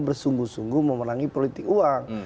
bersungguh sungguh memenangi politik uang